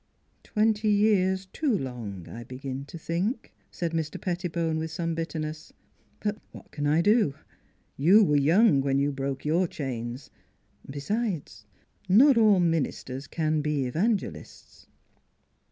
"' Twenty years too long, I begin to think," said Mr. Pettibone with some bitterness. " But what can I do? You were young when you broke your chains. Besides, not all ministers can be evangelists."